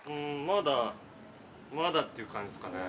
まだっていう感じですかね。